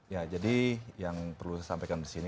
ya jadi yang perlu saya sampaikan disini